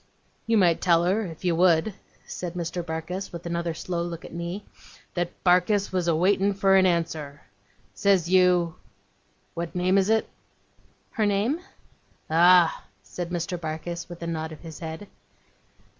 'You might tell her, if you would,' said Mr. Barkis, with another slow look at me, 'that Barkis was a waitin' for a answer. Says you what name is it?' 'Her name?' 'Ah!' said Mr. Barkis, with a nod of his head.